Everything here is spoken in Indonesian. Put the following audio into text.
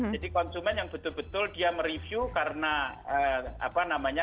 jadi konsumen yang betul betul dia mereview karena kemauan dia